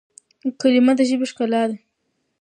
کلیمه د ژبي ښکلا ده.